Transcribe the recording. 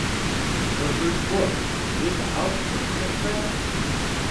Her first book, Is This a House for Hermit Crab?